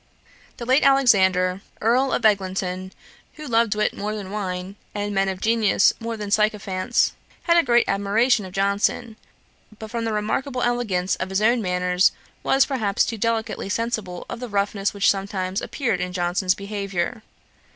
The late Alexander, Earl of Eglintoune, who loved wit more than wine, and men of genius more than sycophants, had a great admiration of Johnson; but from the remarkable elegance of his own manners, was, perhaps, too delicately sensible of the roughness which sometimes appeared in Johnson's behaviour.